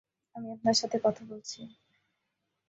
আমি আপনার সাথে কথা বলছি!